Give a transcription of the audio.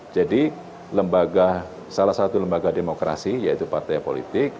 jadi lembaga salah satu lembaga demokrasi yaitu partai politik